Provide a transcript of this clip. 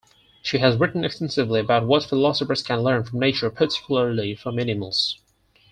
She has written extensively about what philosophers can learn from nature, particularly from animals.